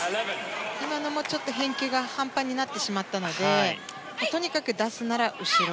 今のも返球が半端になってしまったのでとにかく出すなら後ろ。